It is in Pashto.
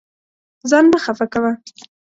ځان مه خفه کوه.